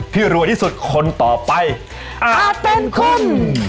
ที่รวยที่สุดคนต่อไปอาทเป็นคุณ